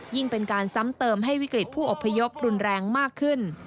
ยิ่งเป็นการซ้ำเติมให้วิกฤตผู้อพยพรุนแรงมากขึ้น